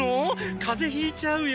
風邪ひいちゃうよ！